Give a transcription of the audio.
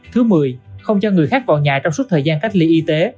thứ mười không cho người khác vào nhà trong suốt thời gian cách ly y tế